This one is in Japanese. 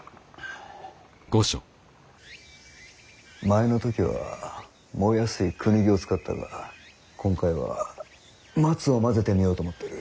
前の時は燃えやすいクヌギを使ったが今回はマツを混ぜてみようと思ってる。